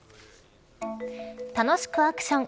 楽しくアクション！